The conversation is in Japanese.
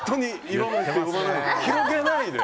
広げないで！